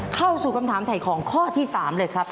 เข้าสู่คำถามถ่ายของข้อที่๓เลยครับ